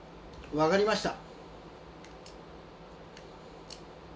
分かりました。